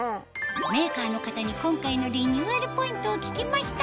メーカーの方に今回のリニューアルポイントを聞きました